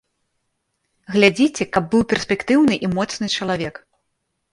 Глядзіце, каб быў перспектыўны і моцны чалавек.